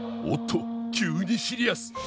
おっと急にシリアス。